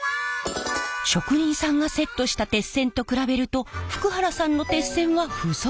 職人さんがセットした鉄線と比べると福原さんの鉄線は不ぞろい。